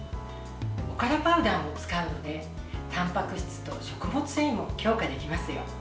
おからパウダーを使うのでたんぱく質と食物繊維も強化できますよ。